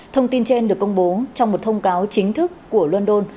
thông tin trên được công bố trong một thông cáo chính thức của london